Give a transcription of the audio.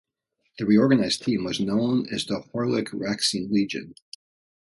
The reorganized team was known as the Horlick-Racine Legion.